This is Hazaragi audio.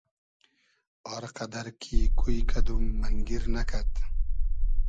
آر قئدئر کی کوی کئدوم مئنگیر نئکئد